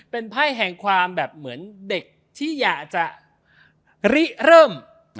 เป็นไพ่แห่งความแบบเหมือนเด็กที่อยากจะริเริ่ม